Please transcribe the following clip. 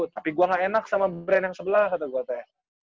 tapi gue gak enak sama brand yang sebelah kata gua teh